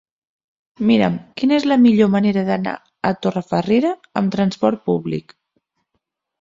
Mira'm quina és la millor manera d'anar a Torrefarrera amb trasport públic.